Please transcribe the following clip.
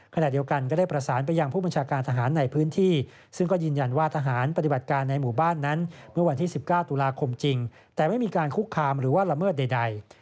ขณะเดียวกันก็ได้ประสานไปยังผู้บัญชาการทหารในพื้นที่ซึ่งก็ยืนยันว่าทหารปฏิบัติการในหมู่บ้านนั้นเมื่อวันที่๑๙ตุลาคมจริงแต่ไม่มีการคุกคามหรือว่าละเมิดใด